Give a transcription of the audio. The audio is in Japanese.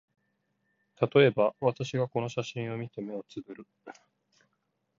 たとえば、私がこの写真を見て、眼をつぶる